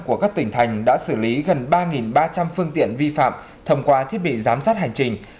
của các tỉnh thành đã xử lý gần ba ba trăm linh phương tiện vi phạm thông qua thiết bị giám sát hành trình